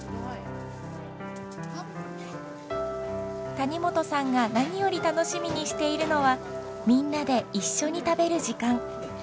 谷本さんが何より楽しみにしているのはみんなで一緒に食べる時間。